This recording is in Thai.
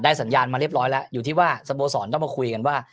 สัญญาณมาเรียบร้อยแล้วอยู่ที่ว่าสโมสรต้องมาคุยกันว่า